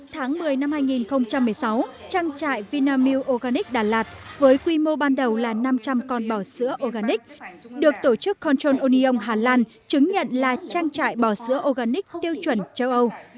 tháng một mươi năm hai nghìn một mươi sáu trang trại vinamilk organic đà lạt với quy mô ban đầu là năm trăm linh con bò sữa organic được tổ chức contchon oneion hà lan chứng nhận là trang trại bò sữa organic tiêu chuẩn châu âu